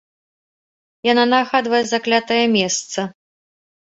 Яна нагадвае заклятае месца.